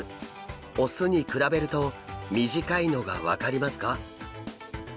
雄に比べると短いのが分かりますか？